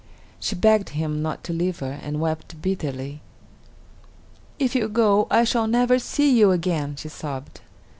She begged him not to leave her and wept bitterly. "If you go, I shall never see you again," she sobbed.